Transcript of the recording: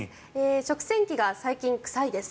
食洗機が最近臭いです。